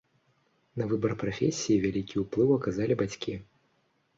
На выбар прафесіі вялікі ўплыў аказалі бацькі.